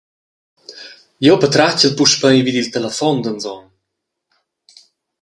Jeu patratgel puspei vid il telefon d’anson.